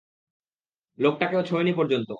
লোকটাকে ও ছোয়নি পর্যন্ত!